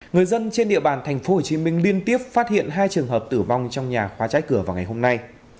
người dân trên địa bàn tp hcm liên tiếp phát hiện hai trường hợp tử vong trong nhà khóa trái cửa vào ngày hôm nay